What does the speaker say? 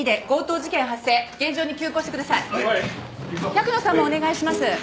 百野さんもお願いします。